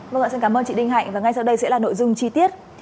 vâng ạ xin cảm ơn chị đinh hạnh và ngay sau đây sẽ là nội dung chi tiết